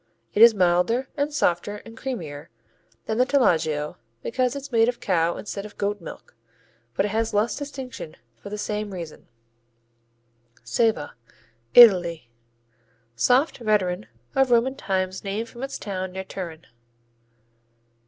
It is milder and softer and creamier than the Taleggio because it's made of cow instead of goat milk, but it has less distinction for the same reason. Ceva Italy Soft veteran of Roman times named from its town near Turin.